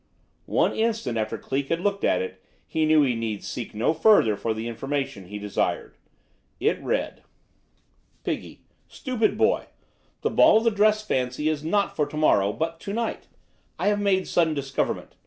One instant after Cleek had looked at it he knew he need seek no further for the information he desired. It read: Piggy! Stupid boy! The ball of the dress fancy is not for to morrow, but to night. I have make sudden discoverment.